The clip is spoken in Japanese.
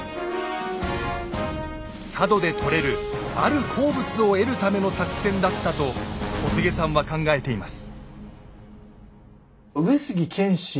佐渡で採れるある鉱物を得るための作戦だったと小菅さんは考えています。